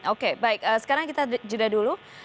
oke baik sekarang kita jeda dulu